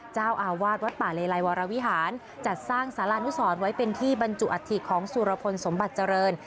เจ้าอาวาสวัดป่าเลไลวรวิหารจัดสร้างสารานุสรไว้เป็นที่บรรจุอัฐิของสุรพลสมบัติเจริญ